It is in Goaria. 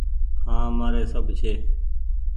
هآن مآري سب ڇي۔